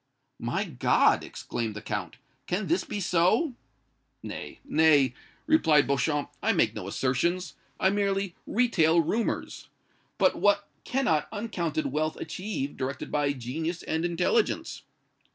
"My God!" exclaimed the Count. "Can this be so?" "Nay nay," replied Beauchamp, "I make no assertions, I merely retail rumors. But what cannot uncounted wealth achieve, directed by genius and intelligence?"